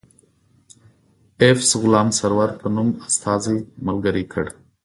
ایفز غلام سرور په نوم استازی ملګری کړ.